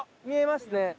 見えますね。